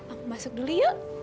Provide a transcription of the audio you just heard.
aku masuk dulu yuk